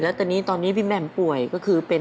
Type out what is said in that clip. แล้วตอนนี้ตอนนี้พี่แหม่มป่วยก็คือเป็น